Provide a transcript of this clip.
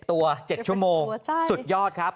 ตัว๗ชั่วโมงสุดยอดครับ